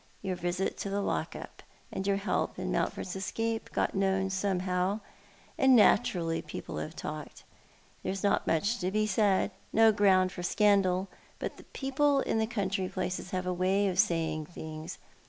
Your visit to the lock up, and your help in Mountford's escape got known somehow — and naturally people have talked. There is not much to be said— no ground for scandal — but people in country places have a way of saying things.